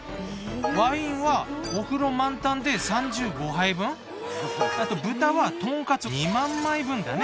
ワインはお風呂満タンで３５杯分豚は豚カツ２万枚分だね。